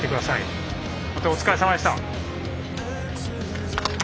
本当お疲れさまでした。